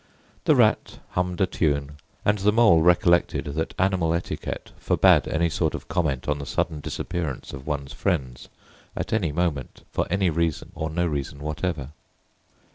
The Rat hummed a tune, and the Mole recollected that animal etiquette forbade any sort of comment on the sudden disappearance of one's friends at any moment, for any reason or no reason whatever.